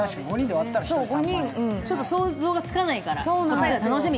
ちょっと想像がつかないから、答えが楽しみ。